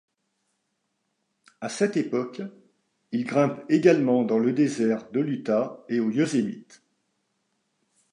À cette époque, il grimpe également dans le désert de l'Utah et au Yosémite.